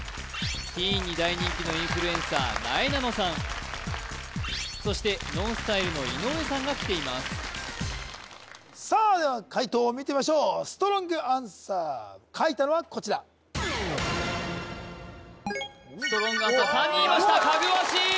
ティーンに大人気のインフルエンサーなえなのさんそしてＮＯＮＳＴＹＬＥの井上さんが来ていますさあでは解答を見てみましょうストロングアンサー書いたのはこちらストロングアンサー３人いました「かぐわしい」